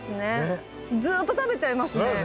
ずっと食べちゃいますね。